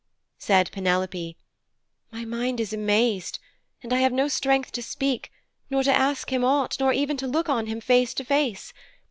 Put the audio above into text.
Said Penelope, 'My mind is amazed and I have no strength to speak, nor to ask him aught, nor even to look on him face to face.